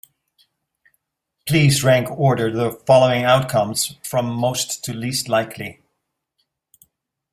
Please rank order the following outcomes from most to least likely.